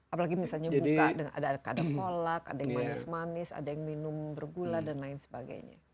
apalagi misalnya buka ada kadar kolak ada yang manis manis ada yang minum bergula dan lain sebagainya